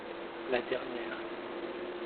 La dernière.